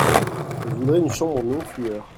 Je voudrais une chambre non fumeur.